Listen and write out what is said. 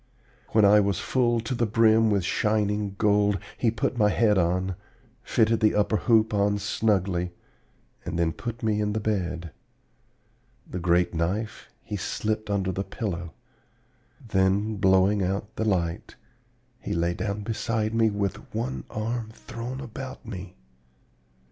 When I was full to the brim with shining gold, he put my head on, fitted the upper hoop on snugly, and then put me in the bed. The great knife he slipped under the pillow. Then, blowing out the light, he lay down beside me with one arm thrown about me.